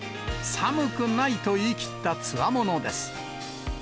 寒くないと言いきったつわものです。